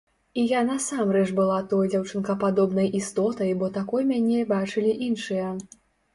І я насамрэч была той дзяўчынкападобнай істотай, бо такой мяне бачылі іншыя.